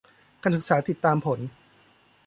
การศึกษาติดตามผล